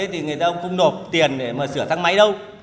thì người ta cũng nộp tiền để mà sửa thang máy đâu